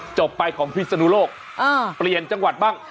จบไปของพิศนุโลกเปลี่ยนจังหวัดบ้าง